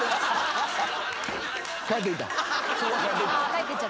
「帰っていった」